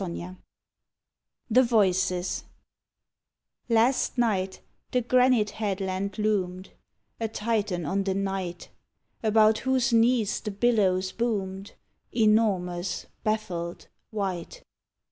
79 THE VOICES Last night the granite headland loomed A Titan on the night, About whose knees the billows boomed, Enormous, baffled, white.